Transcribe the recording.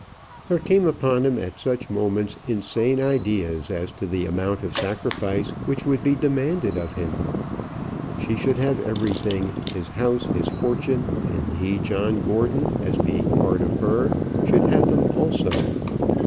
There came upon him at such moments insane ideas as to the amount of sacrifice which would be demanded of him. She should have everything his house, his fortune; and he, John Gordon, as being a part of her, should have them also.